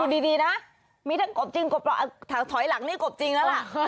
ดีนะมีทั้งกบจริงกบถอยหลังนี่กบจริงแล้วล่ะ